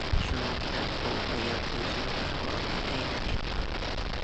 شۇنىڭ بىلەن بۇ ئايال ئۆزىنىڭ ئەھۋالىنى ئەينەن ئېيتقان.